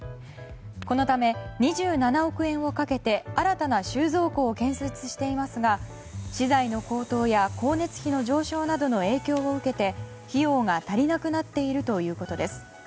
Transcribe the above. このため２７億円をかけて新たな収蔵庫を建設していますが資材の高騰や光熱費の上昇などの影響を受けて費用が足りなくなっているということです。